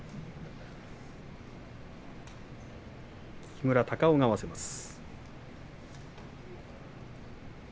木村隆男が合わせます。